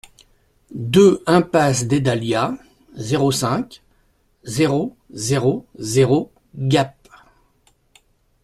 deux impasse des Dahlias, zéro cinq, zéro zéro zéro Gap